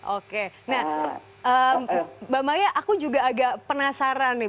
oke nah mbak maya aku juga agak penasaran nih